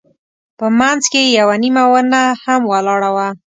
په منځ کې یوه نیمه ونه هم ولاړه وه.